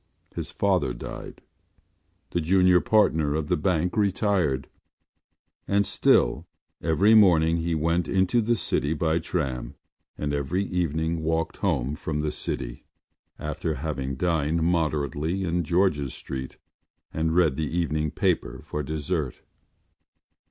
His father died; the junior partner of the bank retired. And still every morning he went into the city by tram and every evening walked home from the city after having dined moderately in George’s Street and read the evening paper for dessert.